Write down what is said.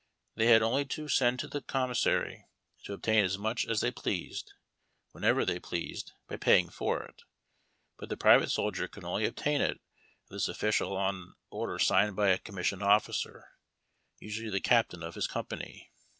They had only to send to the commissary to obtain as much as they pleased, whenever they pleased, by paying for it; but the private soldier could only obtain it of this official on an order signed by a commissioned officer, — usually the captain of his company.